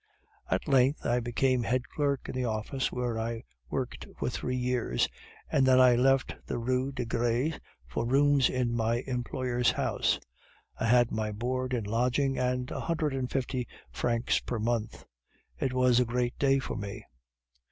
"At length I became head clerk in the office where I had worked for three years and then I left the Rue des Gres for rooms in my employer's house. I had my board and lodging and a hundred and fifty francs per month. It was a great day for me!